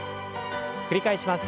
繰り返します。